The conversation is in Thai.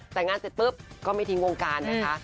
แต่งงานเสร็จปุ๊บก็ไม่ทิ้งวงการนะคะ